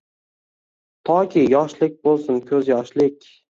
Toki yoshlik bo‘lsin ko‘zyoshlik